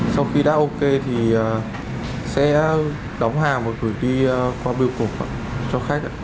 sau khi đã ok thì sẽ đóng hàng và gửi đi qua biêu cục cho khách